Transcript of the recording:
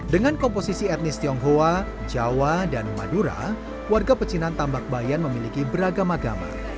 dengan komposisi etnis tionghoa jawa dan madura warga pecinan tambak bayan memiliki beragam agama